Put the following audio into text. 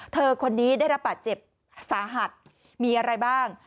คนนี้ได้รับบาดเจ็บสาหัสมีอะไรบ้าง